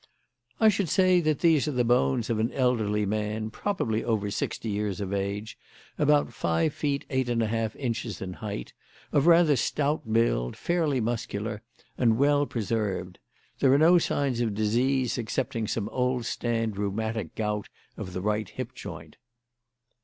"I should say that these are the bones of an elderly man, probably over sixty years of age, about five feet eight and a half inches in height, of rather stout build, fairly muscular, and well preserved. There are no signs of disease excepting some old standing rheumatic gout of the right hip joint."